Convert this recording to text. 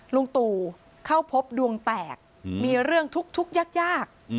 ลุงตู่เข้าพบดวงแตกมีเรื่องทุกข์ยาก